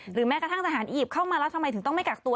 หรือแม้กระทั่งสหานอีบเข้ามาแล้วทำไมถึงต้องไม่กักตัว